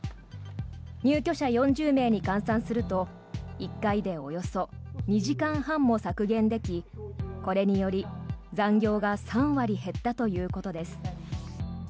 入居者４０名に換算すると１回でおよそ２時間半も削減できこれにより、残業が３割減ったということです。